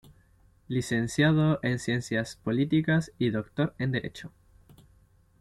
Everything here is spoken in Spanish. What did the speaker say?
Licenciado en Ciencias Políticas y Doctor en Derecho.